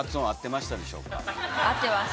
合ってます。